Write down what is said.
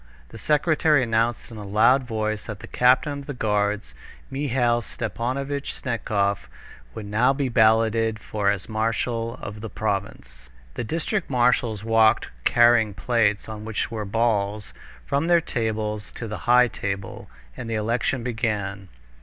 The secretary announced in a loud voice that the captain of the guards, Mihail Stepanovitch Snetkov, would now be balloted for as marshal of the province. The district marshals walked carrying plates, on which were balls, from their tables to the high table, and the election began.